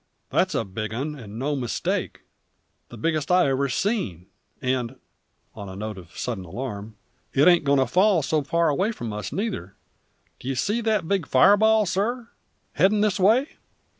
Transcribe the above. that's a big 'un, and no mistake; the biggest I ever seen; and," on a note of sudden alarm "it ain't goin' to fall so very far away from us, neither! D'ye see that big fireball, sir, headin' this way?"